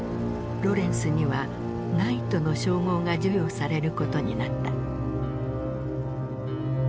ロレンスにはナイトの称号が授与されることになった。